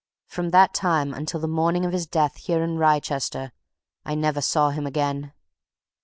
From that time until the morning of his death here in Wrychester I never saw him again!"